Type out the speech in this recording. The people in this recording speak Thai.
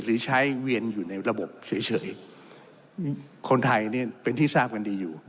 หรือใช้เวียนอยู่ในระบบเฉยคนไทยเนี่ยเป็นที่ทราบกันดีอยู่